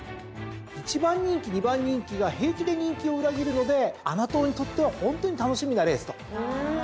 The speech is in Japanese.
１番人気２番人気が平気で人気を裏切るので穴党にとってはホントに楽しみなレースと。